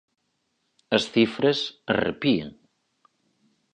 As cifras arrepían.